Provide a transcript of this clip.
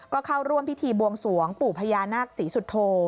ก็เข้าร่วมพิธีบวงสวงปู่พญานาคศรีสุโธ